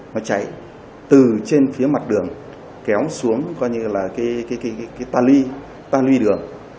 nó cháy từ trên phía mặt đường kéo xuống coi như là cái ta ly đường